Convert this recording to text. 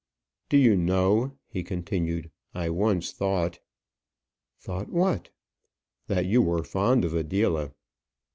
"Do you know," he continued, "I once thought " "Thought what?" "That you were fond of Adela."